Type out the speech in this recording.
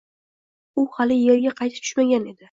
U hali yerga qaytib tushmagan edi